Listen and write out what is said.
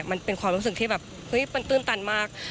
มันเป็นความรู้สึกที่แบบเฮ้ยมันตื้นตันมาก